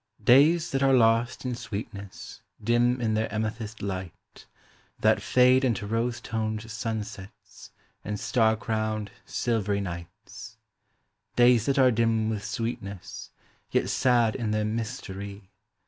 AYS that are lost in sweetness, dim in their amethyst light, That fade into rose toned sunsets, and star crowned, silvery nights ; Days that are dim with sweetness, yet sad in their mystery.